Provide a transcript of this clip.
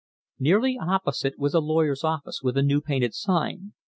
Nearly opposite was a lawyer's office, with a new painted sign.